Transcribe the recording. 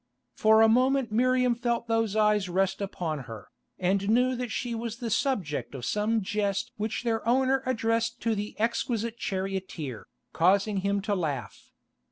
For a moment Miriam felt those eyes rest upon her, and knew that she was the subject of some jest which their owner addressed to the exquisite charioteer, causing him to laugh.